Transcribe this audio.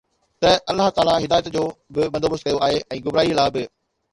ته الله تعاليٰ هدايت جو به بندوبست ڪيو آهي ۽ گمراهي لاءِ به